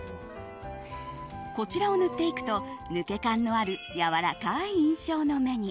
こちらを塗っていくと抜け感のあるやわらかい印象のある目に。